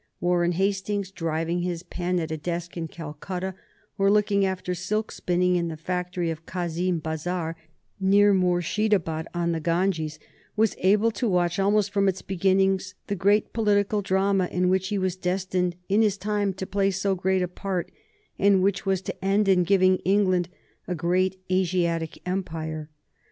Warren Hastings, driving his pen at a desk in Calcutta, or looking after silk spinning in the factory of Kazim Bazar near Murshidabad on the Ganges, was able to watch almost from its beginning the great political drama in which he was destined in his time to play so great a part, and which was to end in giving England a great Asiatic empire.